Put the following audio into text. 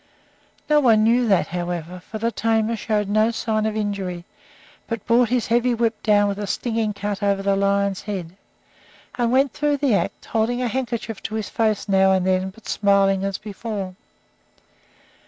No one knew that, however, for the tamer showed no sign of injury, but brought his heavy whip down with a stinging cut over the lion's head, and went through the "act," holding a handkerchief to his face now and then, but smiling as before.